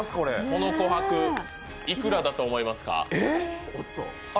この琥珀いくらだと思いますか？